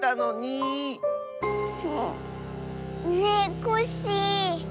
ねえコッシー。